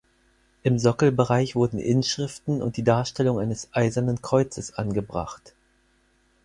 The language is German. Im Sockelbereich wurden Inschriften und die Darstellung eines Eisernen Kreuzes angebracht.